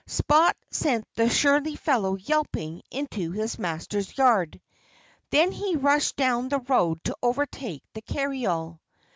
Spot sent the surly fellow yelping into his master's yard. Then he rushed down the road to overtake the carryall.